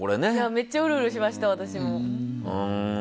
めっちゃうるうるしました私も。